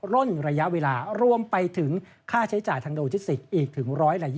่นระยะเวลารวมไปถึงค่าใช้จ่ายทางโดจิสติกอีกถึง๑๒๐